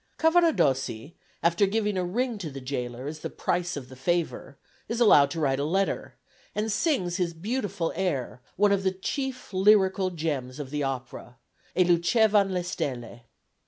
Cavaradossi, after giving a ring to the gaoler as the price of the favour, is allowed to write a letter, and sings his beautiful air, one of the chief lyrical gems of the opera, "E luce van stelle."